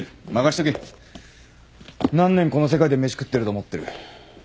何年この世界で飯食ってると思ってる？